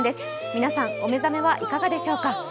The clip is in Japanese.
皆さん、お目覚めはいかがでしょうか。